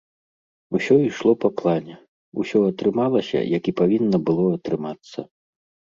Усё ішло па плане, усё атрымалася, як і павінна было атрымацца.